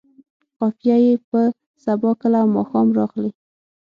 قافیه یې په سبا، کله او ماښام راغلې.